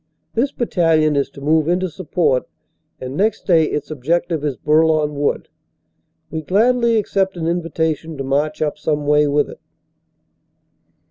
This battalion is to move into support and next day its objective is Bourlon Wood. We gladly accept an invitation to march up some way with it.